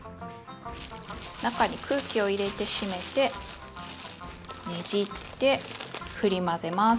中に空気を入れて閉めてねじってふり混ぜます。